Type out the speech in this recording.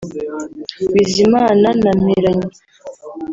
Bizimana na Mpiranya